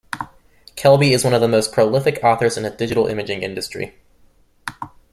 Kelby is one of the most prolific authors in the digital imaging industry.